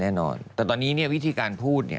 แน่นอนแต่ตอนนี้เนี่ยวิธีการพูดเนี่ย